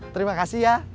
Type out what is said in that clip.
terima kasih ya